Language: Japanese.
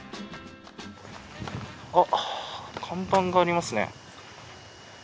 あっ看板がありますね。